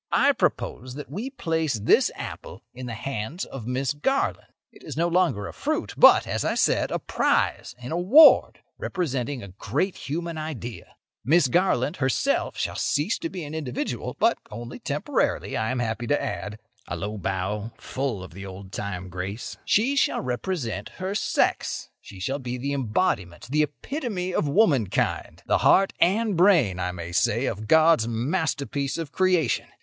I propose that we place this apple in the hands of Miss Garland. It is no longer a fruit, but, as I said, a prize, in award, representing a great human idea. Miss Garland, herself, shall cease to be an individual—but only temporarily, I am happy to add"—(a low bow, full of the old time grace). "She shall represent her sex; she shall be the embodiment, the epitome of womankind—the heart and brain, I may say, of God's masterpiece of creation.